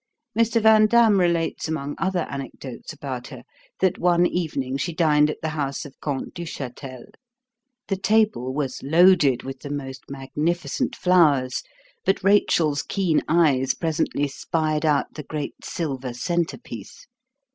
Mr. Vandam relates among other anecdotes about her that one evening she dined at the house of Comte Duchatel. The table was loaded with the most magnificent flowers; but Rachel's keen eyes presently spied out the great silver centerpiece.